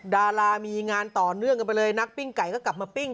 ดารามีงานต่อเนื่องกันไปเลยนักปิ้งไก่ก็กลับมาปิ้ง